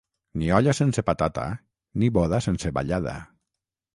Ni olla sense patata, ni boda sense ballada.